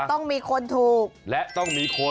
ต้องมีคนถูกไม่ถูก